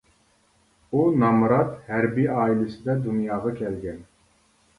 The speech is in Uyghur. ئۇ نامرات ھەربىي ئائىلىسىدە دۇنياغا كەلگەن.